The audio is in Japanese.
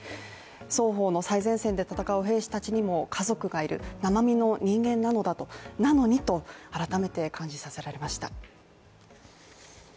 双方の最前線で戦う兵士たちにも家族がいる生身の人間なのだと、改めて感じさせられました。